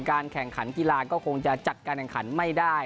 แข่งขันกีฬาก็คงจะจัดการแข่งขันไม่ได้